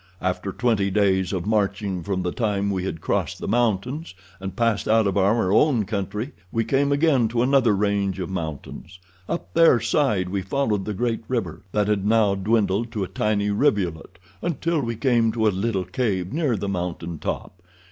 After twenty days of marching from the time we had crossed the mountains and passed out of our own country we came again to another range of mountains. Up their side we followed the great river, that had now dwindled to a tiny rivulet, until we came to a little cave near the mountain top.